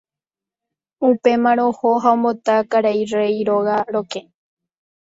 Upémarõ oho ha ombota karai rey róga rokẽ.